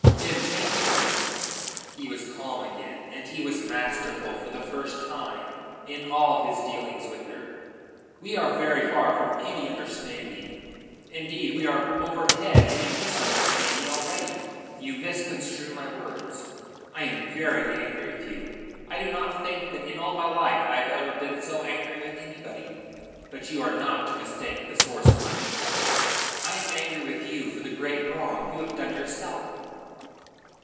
"Intentionally." He was calm again; and he was masterful for the first time in all his dealings with her. "We are very far from any understanding. Indeed, we are overhead in a misunderstanding already. You misconstrue my words. I am very angry with you. I do not think that in all my life I have ever been so angry with anybody. But you are not to mistake the source of my anger. I am angry with you for the great wrong you have done yourself."